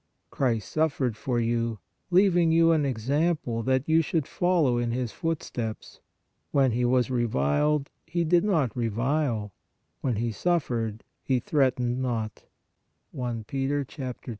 " Christ suffered for us, leaving you an example that you should follow in His footsteps ... when He was reviled, He did not revile, when He suffered, He threatened not " (I Pet.